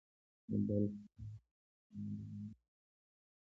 د بلخ تاریخ د تمدنونو ګډ سفر دی.